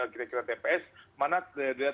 kira kira tps mana